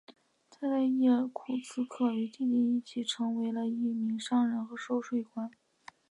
他在伊尔库茨克与弟弟一起成为一名商人和收税官。